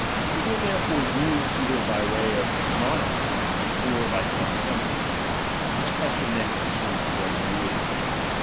It will therefore rule either by the way of moaarchy, or by some assembly. This question then con cerns the right of ruling.